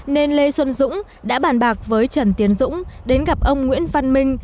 nên lê xuân dũng đã bàn bạc với trần tiến dũng đến gặp ông nguyễn văn minh